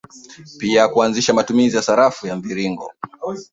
Pia kuanzisha matumizi ya sarafu ya mviringo